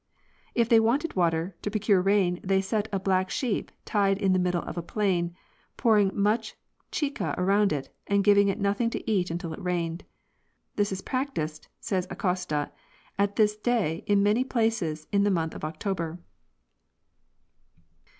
If they wanted water, to procure rain they set a black sheep tied in the middle of a plain, pouring much chica about it, and giving it nothing to eat until it rained (page 376). This is practiced (says Acosta, 1571 1588), at this day in many places in the month of October.